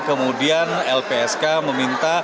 kemudian lpsk meminta